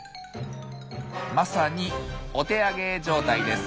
まさにお手上げ状態です。